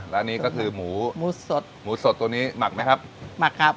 และนี่ก็คือหมูหมูสดหมูสดตัวนี้หมักไหมครับหมักครับ